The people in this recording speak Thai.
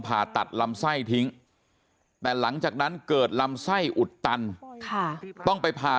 ผ่าตัดลำไส้ทิ้งแต่หลังจากนั้นเกิดลำไส้อุดตันต้องไปผ่า